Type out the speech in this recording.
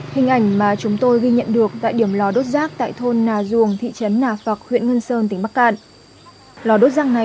hình ảnh mà chúng tôi ghi nhận được tại điểm lò đốt rác tại thôn nà duồng thị trấn nà phọc huyện ngân sơn tỉnh bắc cạn